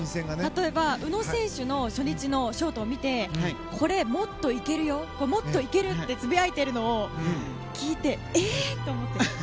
例えば宇野選手の初日のショートを見てこれ、もっと行けるよもっと行けるってつぶやいているのを聞いてえっ？と思って。